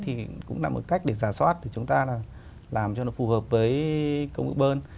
thì cũng là một cách để ra soát để chúng ta làm cho nó phù hợp với công ước bơn